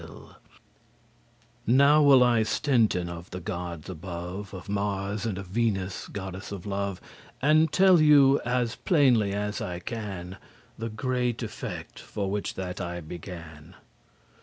*pleasure Now will I stenten* of the gods above, *cease speaking Of Mars, and of Venus, goddess of love, And telle you as plainly as I can The great effect, for which that I began.